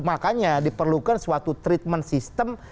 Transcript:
makanya diperlukan suatu treatment system